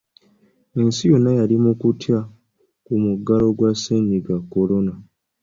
Ensi yonna yali mu kutya ku muggalo gwa Ssennyiga Corona